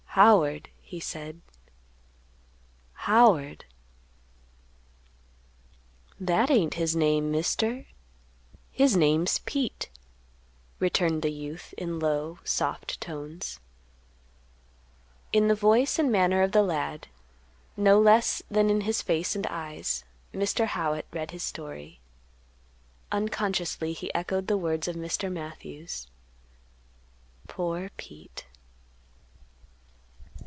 "Howard," he said; "Howard." "That ain't his name, Mister; his name's Pete," returned the youth, in low, soft tones. In the voice and manner of the lad, no less than in his face and eyes, Mr. Howitt read his story. Unconsciously he echoed the words of Mr. Matthews, "Poor Pete."